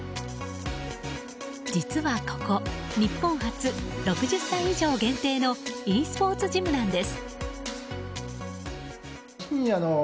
実はここ、日本初６０歳以上限定のｅスポーツジムなんです。